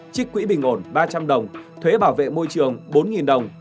trích quỹ bình ổn ba trăm linh đồng thuế bảo vệ môi trường bốn đồng